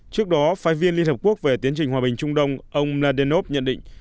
trước đó phái viên liên hợp quốc về tiến trình hòa bình trung đông ông nadenov nhận định